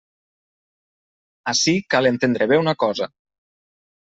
Ací cal entendre bé una cosa.